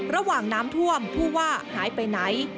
ระหว่างน้ำท่วมผู้ว่าหายไปไหน